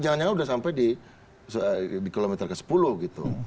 jangan jangan sudah sampai di kilometer ke sepuluh gitu